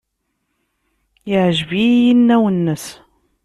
Yeɛjeb-iyi yinaw-nnes.